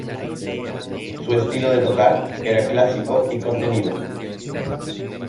Su estilo de tocar era clásico y contenido.